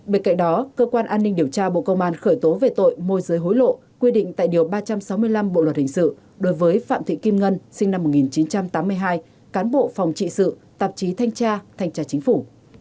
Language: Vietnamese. bên cạnh đó cơ quan an ninh điều tra bộ công an khởi tố về tội môi giới hối lộ quy định tại điều ba trăm sáu mươi năm bộ luật hình sự đối với phạm thị kim ngân sinh năm một nghìn chín trăm tám mươi hai cán bộ phòng trị sự tạp chí thanh tra thanh tra chính phủ